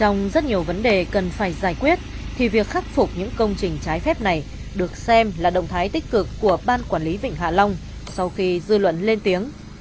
trong rất nhiều vấn đề cần phải giải quyết thì việc khắc phục những công trình trái phép này được xem là động thái tích cực của ban quản lý vịnh hạ long sau khi dư luận lên tiếng